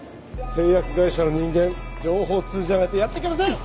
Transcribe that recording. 製薬会社の人間情報通じゃないとやってけません！